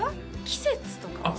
季節とかは？